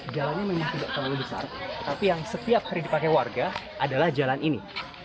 jalannya memang tidak terlalu besar tetapi yang setiap hari dipakai warga adalah jalan ini